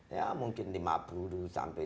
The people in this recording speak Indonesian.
ya mungkin lima puluh sampai dua ratus